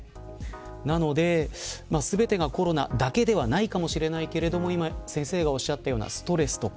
なので、全てがコロナだけではないかもしれないけれども今、先生がおっしゃったようなストレスとか。